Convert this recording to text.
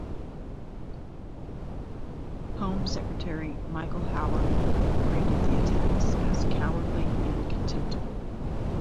Home Secretary Michael Howard branded the attacks as "cowardly and contemptible".